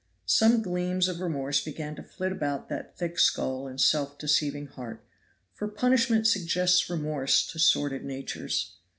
Some gleams of remorse began to flit about that thick skull and self deceiving heart, for punishment suggests remorse to sordid natures.